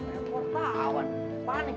emor tahun panik